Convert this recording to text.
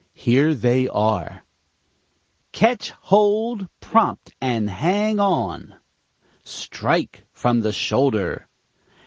Here they are: "Ketch hold prompt and hang on." "Strike from the shoulder."